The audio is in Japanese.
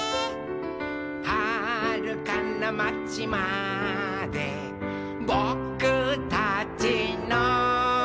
「はるかなまちまでぼくたちの」